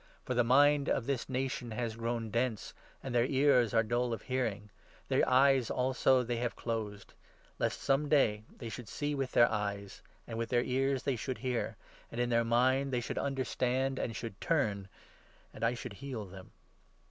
For the mind of this nation has grown dense, 27 And their ears are dull of hearing, Their eyes also have they closed ; Lest some day they should see with their eyes, And with their ears they should hear, And in their mind they should understand, and should turn — And I should heal them.'